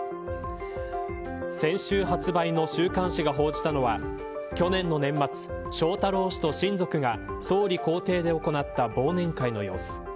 先週発売の週刊誌が報じたのは去年の年末翔太郎氏と親族が総理公邸で行った忘年会の様子。